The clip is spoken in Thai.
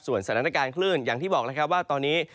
สถานการณ์คลื่นอย่างที่บอกแล้วครับว่าตอนนี้